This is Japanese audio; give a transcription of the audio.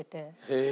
へえ！